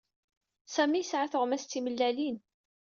Sami yesɛa tuɣmas d timellalin.